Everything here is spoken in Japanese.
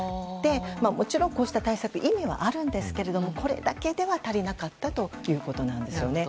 もちろん、こうした対策に意味はあるんですがこれだけでは足りなかったということなんですよね。